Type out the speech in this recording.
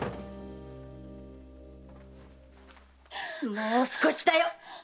もう少しだよ！